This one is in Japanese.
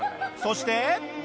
そして。